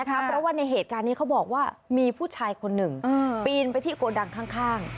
เพราะว่าในเหตุการณ์นี้เขาบอกว่ามีผู้ชายคนหนึ่งปีนไปที่โกดังข้าง